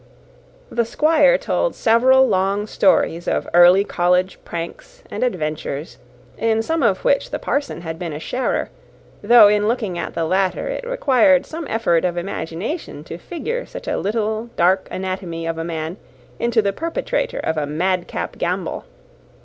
The Squire told several long stories of early college pranks and adventures, in some of which the parson had been a sharer; though in looking at the latter, it required some effort of imagination to figure such a little dark anatomy of a man into the perpetrator of a madcap gambol.